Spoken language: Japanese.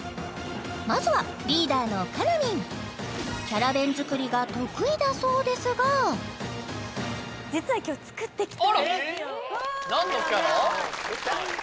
まずはリーダーのかなみんキャラ弁作りが得意だそうですがあら！